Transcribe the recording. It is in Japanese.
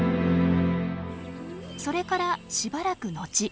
それからしばらく後。